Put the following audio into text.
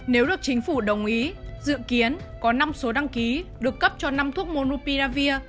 nếu được chính phủ đồng ý dự kiến có năm số đăng ký được cấp cho năm thuốc monupiravir